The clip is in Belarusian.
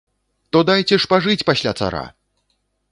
То дайце ж пажыць пасля цара!